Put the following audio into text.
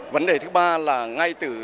vấn đề thứ ba là ngay từ